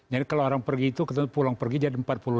jadi kalau orang pergi itu ketentu pulang pergi jadi empat puluh ribu